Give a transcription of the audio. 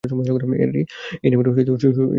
এই নামের সত্যিই একটা শব্দ আছে।